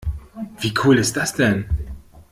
Wie cool ist das denn?